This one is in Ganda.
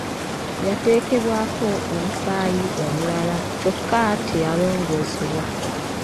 Yateekebwako omusaayi omulala kyokka teyalongoosebwa.